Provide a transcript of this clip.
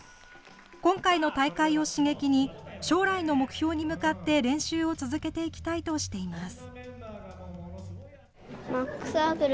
今回の大会を刺激に、将来の目標に向かって、練習を続けていきたいとしています。